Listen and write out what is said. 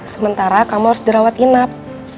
sementara kamu harus dirawat inap